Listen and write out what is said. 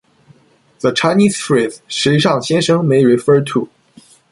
The Chinese phrase “时尚先生” may refer to: